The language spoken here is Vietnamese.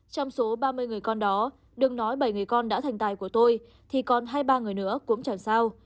trong số ba mươi người con đó đừng nói bảy người con đã thành tài của tôi thì còn hai ba người nữa cũng chẳng sao